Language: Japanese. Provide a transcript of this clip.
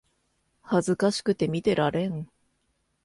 恥ずかしくて見てられん